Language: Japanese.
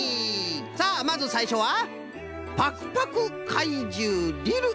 さあまずさいしょは「パクパク怪獣リル」